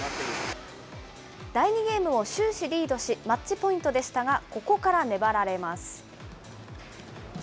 第２ゲームも終始リードし、マッチポイントでしたが、ここから粘られます。